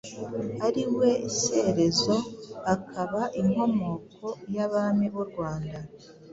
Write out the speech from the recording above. ari we Shyerezo, akaba inkomoko y'Abami b'u Rwanda.